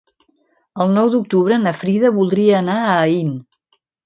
El nou d'octubre na Frida voldria anar a Aín.